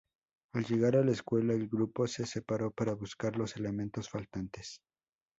Al llegar a la escuela, el grupo se separa para buscar los elementos faltantes.